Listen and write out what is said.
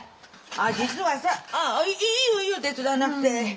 ああ実はさ。いいよいいよ手伝わなくて。